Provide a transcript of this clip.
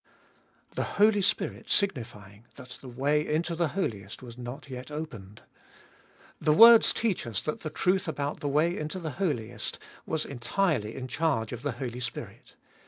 The Holy Spirit signifying that the way into the Holiest was not yet opened. The words teach us that the truth about the way into the Holiest was entirely in charge of the Holy Spirit.